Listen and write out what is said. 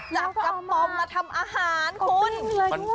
จับกระป๋อมมาทำอาหารคุณ